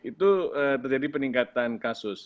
itu terjadi peningkatan kasus